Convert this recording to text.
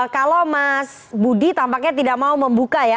kalau mas budi tampaknya tidak mau membuka ya